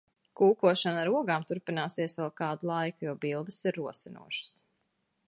Kūkošana ar ogām turpināsies vēl kādu laiku, jo bildes ir rosinošas.